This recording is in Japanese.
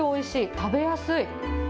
食べやすい。